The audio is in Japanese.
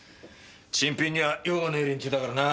珍品には用はねえ連中だからな。